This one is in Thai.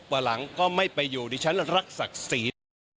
วันหลังก็ไม่ไปอยู่ดิฉันรักศักดิ์ศรี